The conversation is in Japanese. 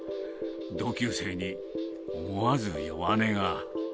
同級生に思わず弱音が。